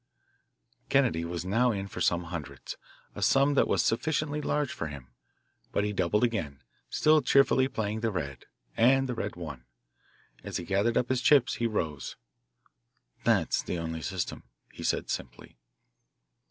Kennedy was now in for some hundreds, a sum that was sufficiently large for him, but he doubled again, still cheerfully playing the red, and the red won. As he gathered up his chips he rose. "That's the only system," he said simply.